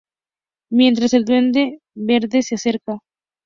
Mientras, el Duende Verde se acerca.